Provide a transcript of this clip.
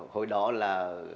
hồi đó là